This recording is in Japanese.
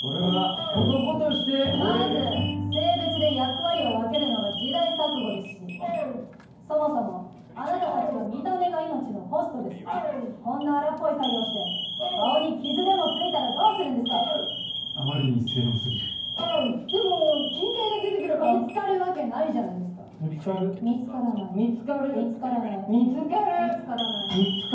これは男としてまず性別で役割を分けるのが時代錯誤ですしそもそもあなた達は見た目が命のホストですこんな荒っぽい作業して顔に傷でもついたらどうするんですかあまりに正論すぎるでも金塊が出てくれば見つかるわけないじゃないですか見つかる見つかる見つからない見つからない見つかる！